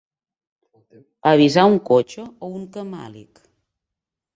Avisar un cotxe o un camàlic?